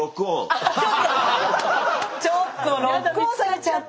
ちょっとロックオンされちゃった。